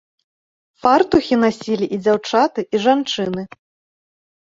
Фартухі насілі і дзяўчаты, і жанчыны.